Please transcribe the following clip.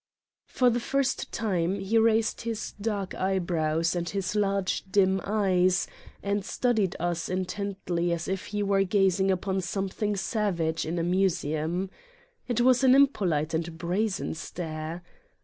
'' For the first time he raised his dark eyebrows and his large dim eyes and studied us intently as if he were gazing upon something savage in a museum. It was an impolite and brazen stare.